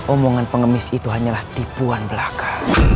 omongan pengemis itu hanyalah tipuan belaka